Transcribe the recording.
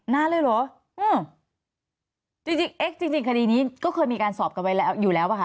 นานเลยหรอจริงคดีนี้ก็เคยมีการสอบกันอยู่แล้วป่ะคะ